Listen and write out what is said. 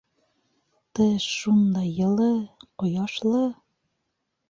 Тыш шундай йылы, ҡояшлы.